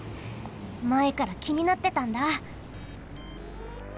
まえからきになってたんだ！